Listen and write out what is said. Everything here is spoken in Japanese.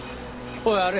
おいあれ。